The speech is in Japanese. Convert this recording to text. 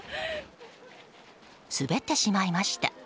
滑ってしまいました。